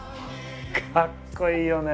かっこいいよね！